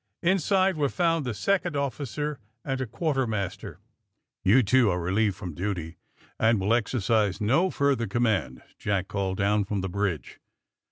Inside were found the second officer and a quartermaster. '^You two are relieved from duty, and will exercise no further command," Jack called down from the bridge.